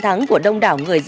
tại hà nội